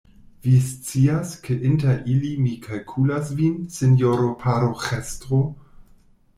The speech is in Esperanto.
Vi scias, ke inter ili mi kalkulas vin, sinjoro paroĥestro.